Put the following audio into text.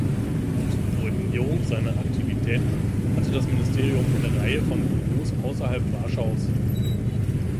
Zur Koordinierung seiner Aktivitäten hatte das Ministerium eine Reihe von Büros außerhalb Warschaus.